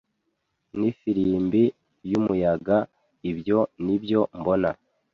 n'ifirimbi y'umuyaga, ibyo ni byo mbona. ”